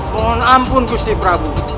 mohon ampun gusti prabu